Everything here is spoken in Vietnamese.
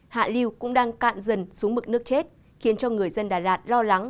hạ lưu cũng đang cạn dần xuống mực nước chết khiến cho người dân đà lạt lo lắng